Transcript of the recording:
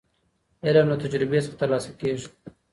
علم له تجربې څخه ترلاسه کيږي.